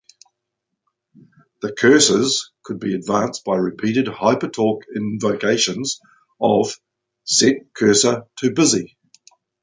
The cursors could be advanced by repeated HyperTalk invocations of "set cursor to busy".